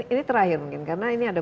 ini terakhir mungkin karena ini ada